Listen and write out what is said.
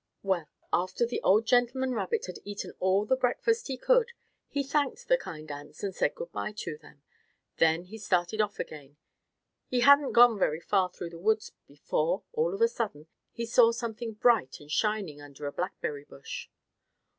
Well, after the old gentleman rabbit had eaten all the breakfast he could, he thanked the kind ants and said good by to them. Then he started off again. He hadn't gone on very far through the woods, before, all of a sudden he saw something bright and shining under a blackberry bush.